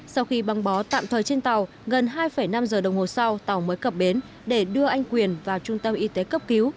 sau khi băng bó tạm thời trên tàu gần hai năm giờ đồng hồ sau tàu mới cập bến để đưa anh quyền vào trung tâm y tế cấp cứu